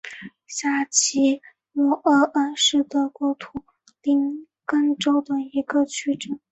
下齐梅尔恩是德国图林根州的一个市镇。